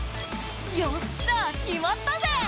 「よっしゃ決まったぜ」